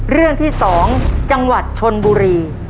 เรื่องที่๒จังหวัดชนบุรี